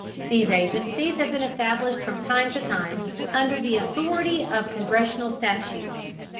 These agencies have been established from time to time under the authority of Congressional statutes.